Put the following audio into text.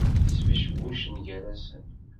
Sbecbucen gar-asen.